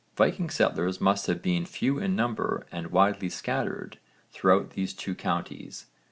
Viking settlers must have been few in numbers and widely scattered throughout these two counties.